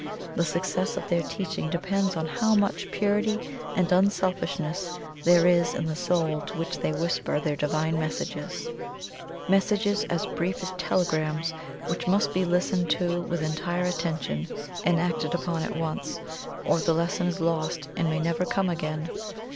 The success of their teaching depends on how much purity and unselfishness there is in the soul to which they whisper their divine messages messages as brief as telegrams which must be listened to with entire attention and acted upon at once, or the lesson is lost and may never come again."